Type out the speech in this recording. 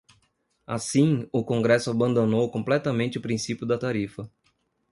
Assim, o congresso abandonou completamente o princípio da tarifa.